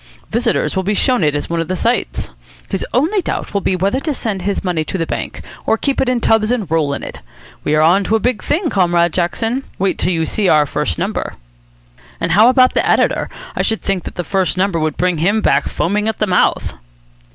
Visitors will be shown it as one of the sights. His only doubt will be whether to send his money to the bank or keep it in tubs and roll in it. We are on to a big thing, Comrade Jackson. Wait till you see our first number." "And how about the editor? I should think that first number would bring him back foaming at the mouth."